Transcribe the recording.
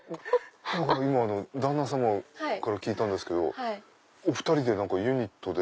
今旦那さまから聞いたんですけどお２人でユニットで。